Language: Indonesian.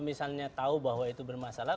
misalnya tahu bahwa itu bermasalah